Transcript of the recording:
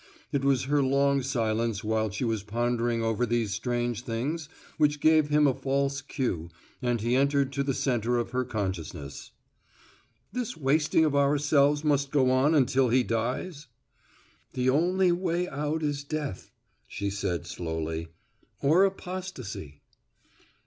It was her long silence while she was pondering over these strange things which gave him a false cue and he entered to the center of her consciousness. "This wasting of ourselves must go on until he dies?" "The only way out is death," she said slowly, "or apostasy."